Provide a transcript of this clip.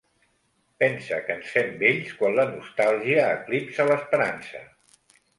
Pense que ens fem vells quan la nostàlgia eclipsa l'esperança.